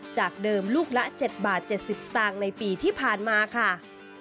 จากเดิมลูกละ๗บาท๗๐สตางค์ในปีที่ผ่านมาค่ะ